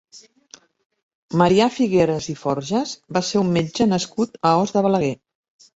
Marià Figueres i Forges va ser un metge nascut a Os de Balaguer.